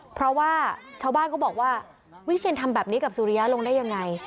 เพราะว่าชาวบ้านเขาบอกว่าวิเชียนทำแบบนี้กับสุริยะลงได้ยังไง